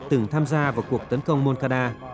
từng tham gia vào cuộc tấn công moncada